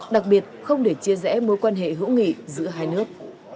đặc biệt không để chia rẽ mối quan hệ hữu nghị giữa hai nước